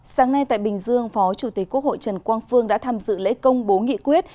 sáng nay tại bình dương phó chủ tịch quốc hội trần quang phương đã tham dự lễ công bố nghị quyết